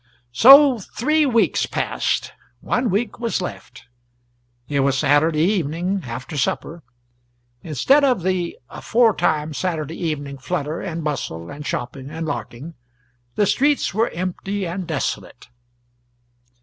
So three weeks passed one week was left. It was Saturday evening after supper. Instead of the aforetime Saturday evening flutter and bustle and shopping and larking, the streets were empty and desolate.